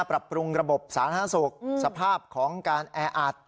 ปรับปรุงระบบสาธารณสุขสภาพของการแออัด